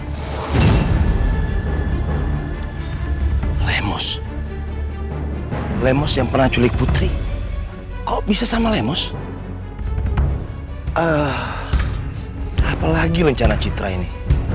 apalagi lemos lemos yang pernah culik putri kok bisa sama lemos apalagi rencana citra ini